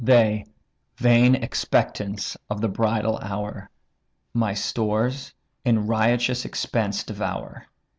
They, vain expectants of the bridal hour, My stores in riotous expense devour.